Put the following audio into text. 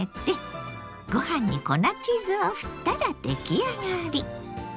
ご飯に粉チーズをふったら出来上がり。